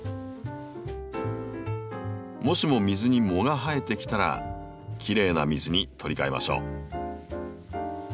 もしも水に藻が生えてきたらきれいな水に取り替えましょう。